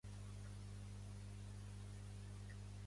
Meng Huo va ser capturat aleshores per setena i última vegada.